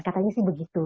katanya sih begitu